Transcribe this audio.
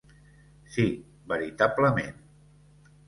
Sí, veritablement.